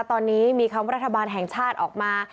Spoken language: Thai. ตอนนี้มีคำว่ารัฐบาลแห่งชาติออกมา